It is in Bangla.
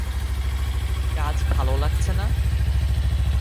কাজ ভালো লাগছে না?